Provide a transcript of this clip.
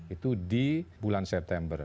itu di bulan september